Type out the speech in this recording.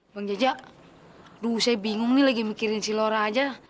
bang jajak lu saya bingung nih lagi mikirin si laura aja